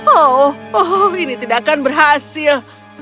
oh ini tidak akan berhasil